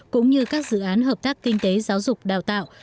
cũng như các dự án hợp tác kinh tế giáo dục đào tạo